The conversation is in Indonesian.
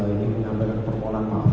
ini menyampaikan permohonan maaf